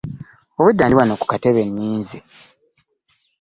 Obwedda ndi wano ku katebe nninze.